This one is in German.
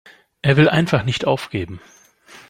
Er will einfach nicht aufgeben.